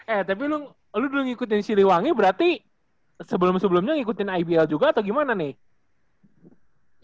eh tapi lu dulu ngikutin siliwangi berarti sebelum sebelumnya ngikutin ibl juga atau gimana nih